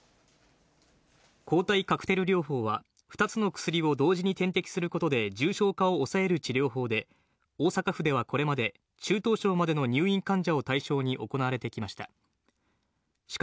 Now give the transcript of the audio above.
抗体カクテル療法は、２つの薬を同時に点滴することで重症化を抑える治療法で、大阪府ではこれまで、中等症までの入院患者を対象に行われてきました。